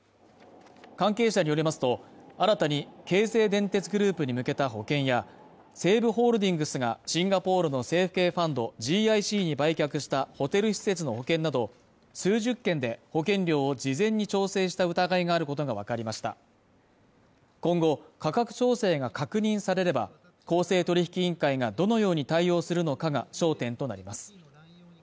関係者によりますと新たに京成電鉄グループに向けた保険や西武ホールディングスがシンガポールの政府系ファンドＧＩＣに売却したホテル施設の保険など数十件で保険料を事前に調整した疑いがあることが分かりました今後、価格調整が確認されれば公正取引委員会がどのように対応するのかが焦点となります